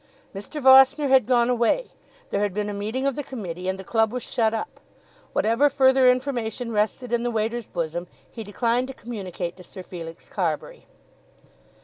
Mr. Vossner had gone away. There had been a meeting of the Committee, and the club was shut up. Whatever further information rested in the waiter's bosom he declined to communicate to Sir Felix Carbury.